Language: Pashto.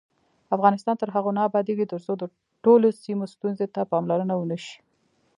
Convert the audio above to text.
افغانستان تر هغو نه ابادیږي، ترڅو د ټولو سیمو ستونزو ته پاملرنه ونشي.